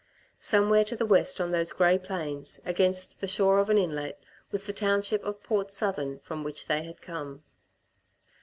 Somewhere to the west on those grey plains, against the shore of an inlet, was the township of Port Southern from which they had come.